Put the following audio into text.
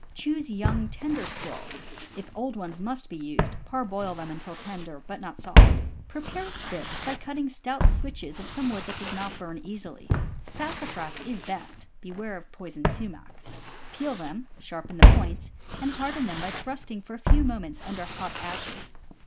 Choose young, tender squirrels (if old ones must be used, parboil them until tender but not soft). Prepare spits by cutting stout switches of some wood that does not burn easily (sassafras is best — beware of poison sumach), peel them, sharpen the points, and harden them by thrust ing for a few moments under the hot ashes.